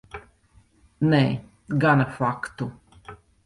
Nē, gana faktu.